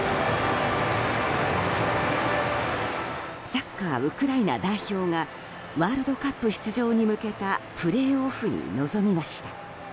サッカー、ウクライナ代表がワールドカップ出場に向けたプレーオフに臨みました。